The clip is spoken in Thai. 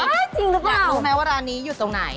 จริงหรือเปล่าอยากรู้ไหมว่าร้านนี้อยู่ตรงไหน